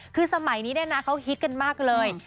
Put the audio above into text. คือสมัยนี้เนี่ยนะเขาฮิตกันมากเลย